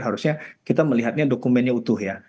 harusnya kita melihatnya dokumennya utuh ya